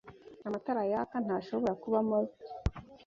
Amatara yaka ntashobora kuba mabi.